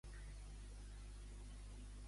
Quants catalans desitgen la independència?